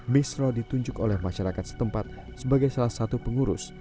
misro ditunjuk oleh masyarakat setempat sebagai salah satu pengurus